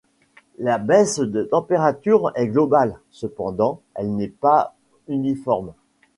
La baisse de température est globale, cependant, elle n'est pas uniforme.